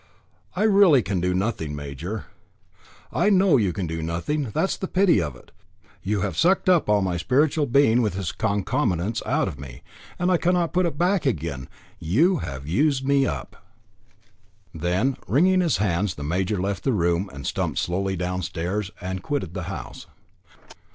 "I really can do nothing, major." "I know you can do nothing, that is the pity of it. You have sucked all my spiritual being with its concomitants out of me, and cannot put it back again. You have used me up." Then, wringing his hands, the major left the room, stumped slowly downstairs, and quitted the house.